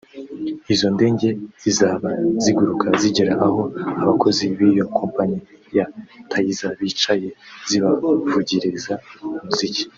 Izo ndege zizaba ziguruka zigere aho abakozi b’iyo kompanyi ya Taisei bicaye zibavugirize umuziki